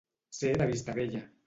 Ser de Vistabella.